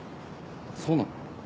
そうなの？